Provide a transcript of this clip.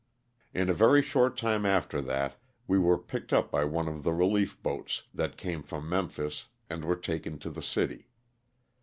In a very short time after that wo were picked up by one of the relief boats that came from Memphis and were taken to the city.